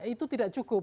itu tidak cukup